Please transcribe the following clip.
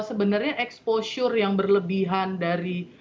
nah sebenarnya exposure yang berlebihan dari trauma healing itu